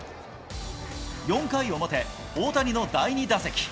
４回表、大谷の第２打席。